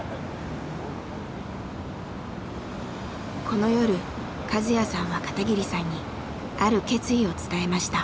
この夜和哉さんは片桐さんにある決意を伝えました。